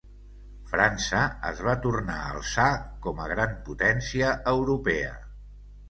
França es va tornar a alçar com a gran potència europea.